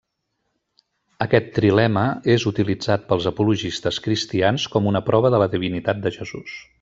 Aquest trilema és utilitzat pels apologistes cristians com una prova de la divinitat de Jesús.